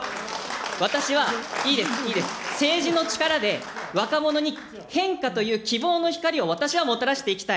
私は、いいです、いいです、政治の力で、若者に変化という希望の光を、私はもたらしていきたい。